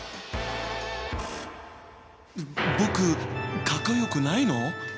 僕かっこよくないの？